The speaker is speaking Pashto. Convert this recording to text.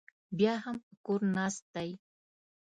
بیا هم په کور ناست دی.